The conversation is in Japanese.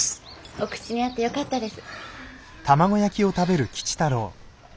お口に合ってよかったです。